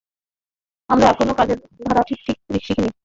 আমরা এখনও কাজের ধারা ঠিক ঠিক শিখিনি।